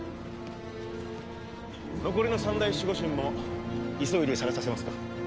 残りの三大守護神も急いで探させますか？